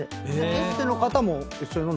エステの方も一緒に飲んだり。